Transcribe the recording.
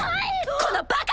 このバカ！